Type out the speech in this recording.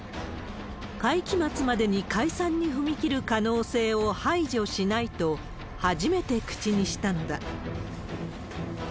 会期末までに解散に踏み切る可能性を排除しないと、初めて口にしたのだ。